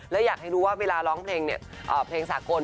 แล้วอยากให้รู้ว่าเวลาร้องเพลงสากลเพลงฝรั่ง